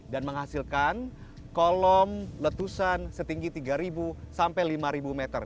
dan menghasilkan kolom letusan setinggi tiga ribu sampai lima ribu meter